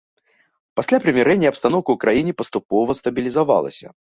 Пасля прымірэння абстаноўка ў краіне паступова стабілізавалася.